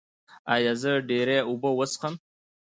ایا زه ډیرې اوبه وڅښم؟